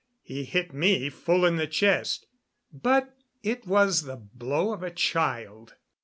He hit me full in the chest, but it was the blow of a child.